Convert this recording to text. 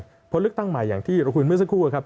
เพราะเลือกตั้งใหม่อย่างที่เราคุยเมื่อสักครู่ครับ